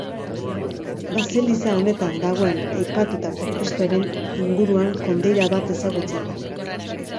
Baseliza honetan dagoen aipatutako Kristoren inguruan kondaira bat ezagutzen da.